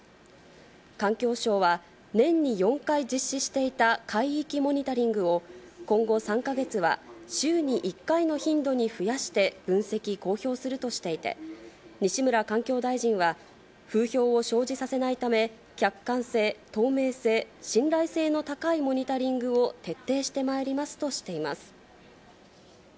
環境省は、年に４回実施していた海域モニタリングを今後３か月は、週に１回の頻度に増やして分析・公表するとしていて、西村環境大臣は、風評を生じさせないため、客観性、透明性、信頼性の高いモニタリングを徹底してまいりますとしています。